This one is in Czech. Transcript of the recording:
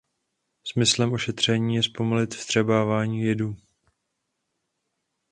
Smyslem ošetření je zpomalit vstřebávání jedu.